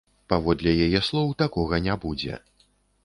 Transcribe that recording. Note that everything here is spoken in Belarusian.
Паводле яе слоў, такога не будзе.